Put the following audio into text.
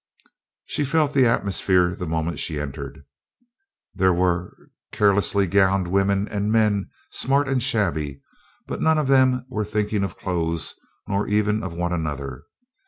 She felt the atmosphere the moment she entered. There were carelessly gowned women and men smart and shabby, but none of them were thinking of clothes nor even of one another.